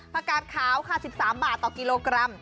กาดขาวค่ะ๑๓บาทต่อกิโลกรัม